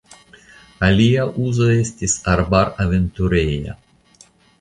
Alia uzo estis arbaraventureja.